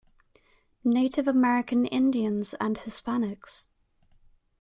Native American Indians and Hispanics.